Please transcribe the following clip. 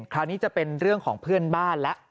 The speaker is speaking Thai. คราวนี้จะเป็นเรื่องของเพื่อนบ้านแล้ว